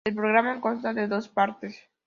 El Programa consta de dos partes.